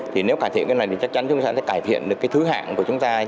thì nếu cải thiện cái này thì chắc chắn chúng ta sẽ cải thiện được cái thứ hạng của chúng ta